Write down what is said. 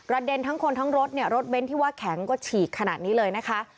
เด็นทั้งคนทั้งรถเนี่ยรถเบ้นที่ว่าแข็งก็ฉีกขนาดนี้เลยนะคะ